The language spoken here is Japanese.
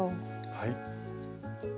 はい。